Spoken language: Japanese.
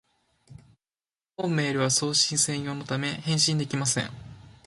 本メールは送信専用のため、返信できません